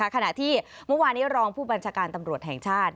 ขณะที่เมื่อวานี้รองผู้บัญชาการตำรวจแห่งชาติ